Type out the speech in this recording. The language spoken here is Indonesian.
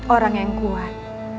orang yang kuat